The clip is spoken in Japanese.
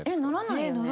ならない。